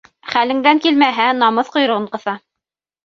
Хәлеңдән килмәһә, намыҫ ҡойроғон ҡыҫа.